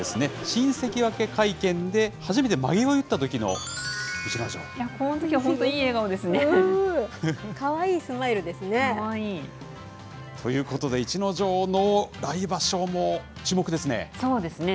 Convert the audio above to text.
新関脇会見で、初めてまげを結っこのときは本当、いい笑顔でかわいいスマイルですね。ということで、逸ノ城の来場そうですね。